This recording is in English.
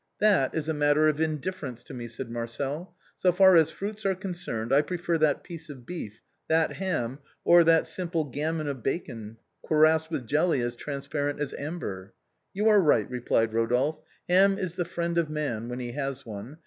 " That is a matter of indifference to me," said Marcel. " So far as fruits are concerned, I prefer that piece of beef, that ham, or that simple gammon of bacon, cuirassed with jelly as transparent as amber." " You are right," replied Eodolphe ;" ham is the friend of man, when he has one.